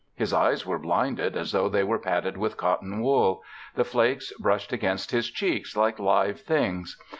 His eyes were blinded as though they were padded with cottonwool. The flakes brushed against his cheeks like live things.